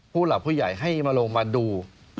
ผู้หลักผู้ใหญ่ให้มาลงมาดู